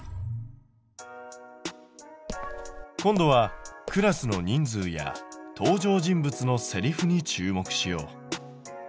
今度はクラスの人数や登場人物のセリフに注目しよう。